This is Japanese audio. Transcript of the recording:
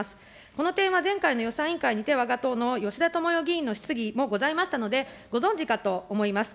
この点は前回の予算委員会においてわが党のよしだともよ議員の質疑もございましたので、ご存じかと思います。